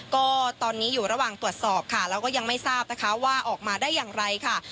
ก็ตอนนี้อยู่ระหว่างตรวจสอบค่ะแล้วก็ยังไม่ทราบนะคะว่าออกมาได้อย่างไรค่ะ